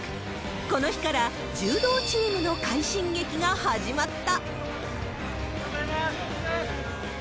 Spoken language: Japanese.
この日から柔道チームの快進撃が始まった。